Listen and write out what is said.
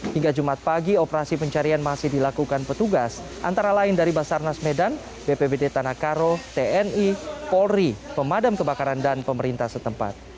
hingga jumat pagi operasi pencarian masih dilakukan petugas antara lain dari basarnas medan bpbd tanah karo tni polri pemadam kebakaran dan pemerintah setempat